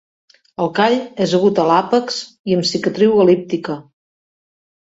El call és agut a l'àpex i amb cicatriu el·líptica.